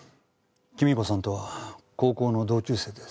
貴美子さんとは高校の同級生です。